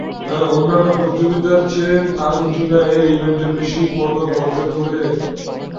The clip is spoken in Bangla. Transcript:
অন্যান্য প্রতিযোগিতার চেয়ে আর্জেন্টিনা এই ইভেন্টে বেশি পদক অর্জন করে।